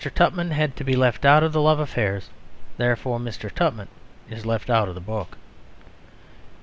Tupman had to be left out of the love affairs; therefore Mr. Tupman is left out of the book.